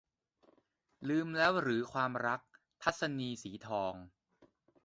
ลืมแล้วหรือความรัก - ทัศนีย์ สีทอง